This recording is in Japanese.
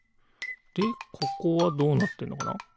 でここはどうなってるのかな？